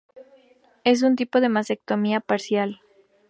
Es un tipo de mastectomía parcial.